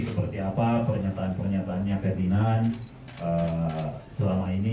seperti apa pernyataan pernyataannya ferdinand selama ini